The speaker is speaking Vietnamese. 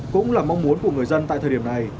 cũng là mong muốn của người dân tại thời điểm này